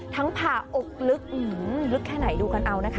ทั้งผาอกลึกหื้อลึกแค่ไหนดูกันเอานะคะ